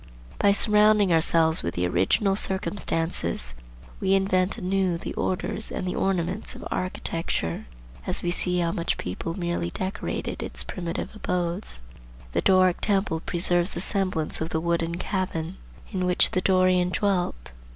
By surrounding ourselves with the original circumstances we invent anew the orders and the ornaments of architecture, as we see how each people merely decorated its primitive abodes. The Doric temple preserves the semblance of the wooden cabin in which the Dorian dwelt.